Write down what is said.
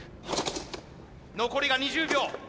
残りが２０秒。